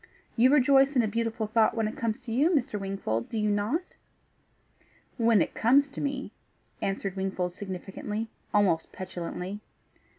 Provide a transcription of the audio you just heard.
You rejoice in a beautiful thought when it comes to you, Mr. Wingfold do you not?" "When it comes to me," answered Wingfold significantly almost petulantly.